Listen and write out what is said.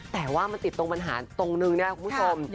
แต่ว่ามันติดตรงปัญหาตรงนึงนะครับคุณผู้ชม